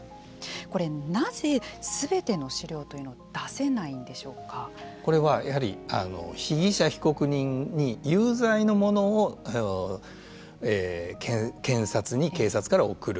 これ、なぜすべての資料というのがこれはやはり被疑者、被告人に有罪のものを検察に警察から送る。